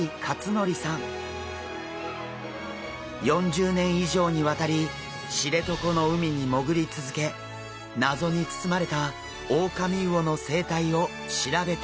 ４０年以上にわたり知床の海に潜り続け謎に包まれたオオカミウオの生態を調べています。